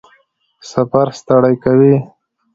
سفر ستړی کوي؟